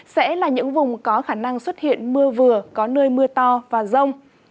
sẽ là những vùng có khả năng xuất hiện mưa vừa có nơi mưa to và rông